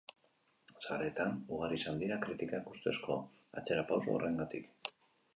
Sareetan ugari izan dira kritikak ustezko atzerapauso horrengatik.